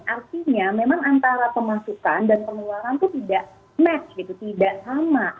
artinya memang antara pemasukan dan pengeluaran itu tidak match gitu tidak sama